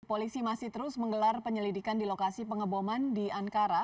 polisi masih terus menggelar penyelidikan di lokasi pengeboman di ankara